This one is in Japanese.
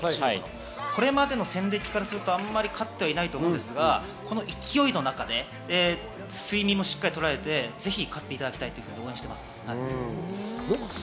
これまでの戦歴からすると、あまり勝ってないと思うんですが勢いの中で睡眠もしっかり取られてぜひ勝っていただきたいと思って応援しております。